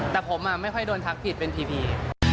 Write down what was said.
แต่ผมอะไม่ค่อยด้นทักผิดเป็นปี